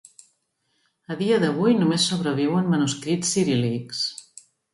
A dia d'avui, només sobreviuen manuscrits ciríl·lics.